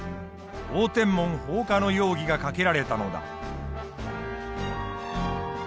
応天門放火の容疑がかけられたのだ。